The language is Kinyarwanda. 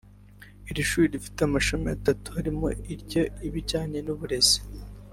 Iri shuri rifite amashami atatu harimo iry’ibijyanye n’uburezi